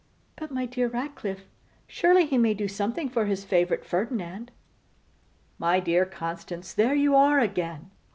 'But, my dear Ratcliffe, surely he may do something for his favourite, Ferdinand?' 'My dear Constance, there you are again!